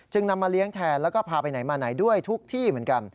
นำมาเลี้ยงแทนแล้วก็พาไปไหนมาไหนด้วยทุกที่เหมือนกัน